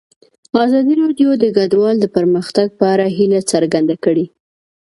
ازادي راډیو د کډوال د پرمختګ په اړه هیله څرګنده کړې.